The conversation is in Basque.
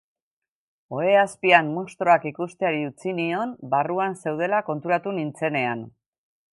Ohe azpian munstroak ikusteari utzi nion barruan zeudela konturatu nintzenean.